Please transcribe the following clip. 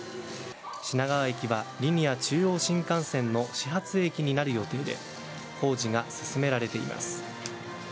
品川駅は、リニア中央新幹線の始発駅になる予定で工事が進められています。